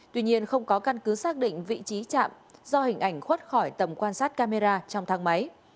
tuy nhiên không có căn cứ xác định vị trí chạm do hình ảnh khuất khỏi tầm quan sát camera trong thang máy